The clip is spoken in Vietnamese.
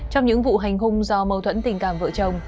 trong những vụ hành hung do mâu thuẫn tình cảm vợ chồng